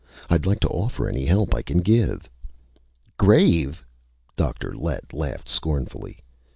I'd like to offer any help I can give." "Grave!" Dr. Lett laughed scornfully.